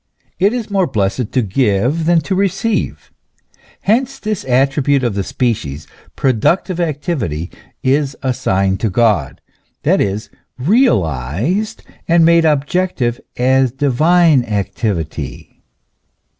It is more blessed to give than to receive. Hence this attribute of the species productive activity is assigned to God ; that is, realized and made objective as divine activity.